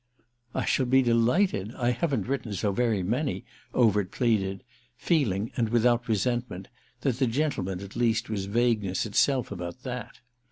"I shall be delighted—I haven't written so very many," Overt pleaded, feeling, and without resentment, that the General at least was vagueness itself about that.